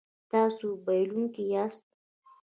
تاسو بایلونکی یاست